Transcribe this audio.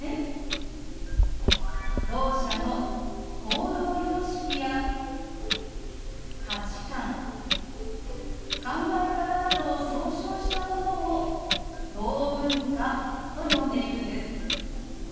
ろう者の行動様式や価値観考え方などを総称したものをろう文化と呼んでいるんです。